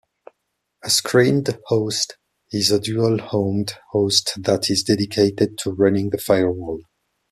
A screened host is a dual-homed host that is dedicated to running the firewall.